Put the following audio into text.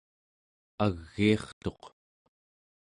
agiirtuq